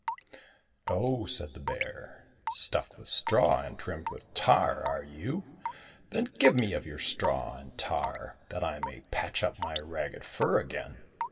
—" Oh !" said the bear, " stuffed with straw and trimmed with tar, are you ? Then give me of your straw and tar, that I may patch up my ragged fur again